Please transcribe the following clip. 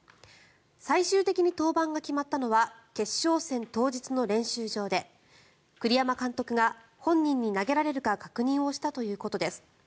最終的に登板が決まったのは決勝戦当日の練習場で栗山監督が本人に投げられるか確認をしたということです。